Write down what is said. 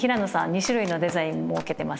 ２種類のデザイン設けてますよね。